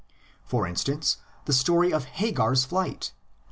For instance, the story of Hagar's flight (xvi.)